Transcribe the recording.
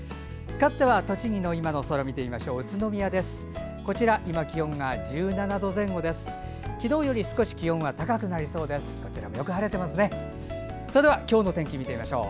かわっては栃木の今の空を見てみましょう。